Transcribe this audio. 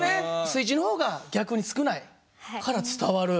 水中の方が逆に少ないから伝わる。